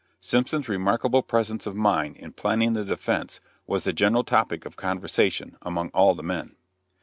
Simpson's remarkable presence of mind in planning the defense was the general topic of conversation among all the men.